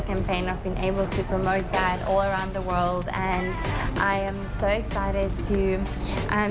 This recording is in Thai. ของไทยและคิดว่าจะเป็นความรู้สึกที่สุดที่สุด